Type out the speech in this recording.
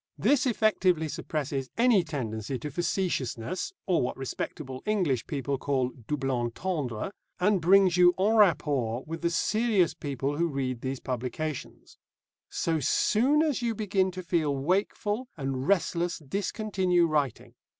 This effectually suppresses any tendency to facetiousness, or what respectable English people call double entendre, and brings you en rapport with the serious people who read these publications. So soon as you begin to feel wakeful and restless discontinue writing.